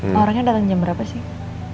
mas orangnya dateng jam berapa sih